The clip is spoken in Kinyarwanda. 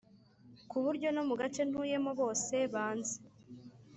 ku buryo no mu gace ntuyemo bose banzi